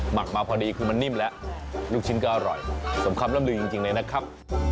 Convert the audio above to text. ักมาพอดีคือมันนิ่มแล้วลูกชิ้นก็อร่อยสมคำล่ำลือจริงเลยนะครับ